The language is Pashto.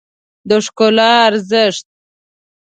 د ښکلا ارزښت